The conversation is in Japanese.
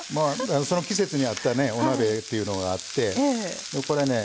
その季節に合ったお鍋っていうのがあってこれね